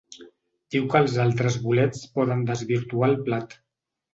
Diu que els altres bolets poden desvirtuar el plat.